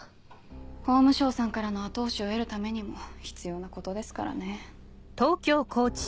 法務省さんからの後押しを得るためにも必要なことですからね。